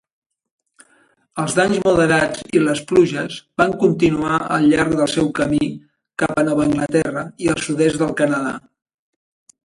Els danys moderats i les pluges van continuar al llarg del seu camí cap a Nova Anglaterra i el sud-est del Canadà.